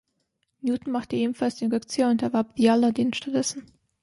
Newton machte ebenfalls den Rückzieher und erwarb The Aladdin stattdessen.